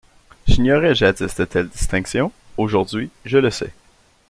J’ignorais jadis de telles distinctions ; aujourd’hui je le sais.